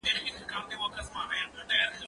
زه پرون موټر کاروم !.